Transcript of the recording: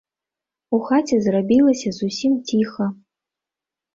У хаце зрабілася зусім ціха.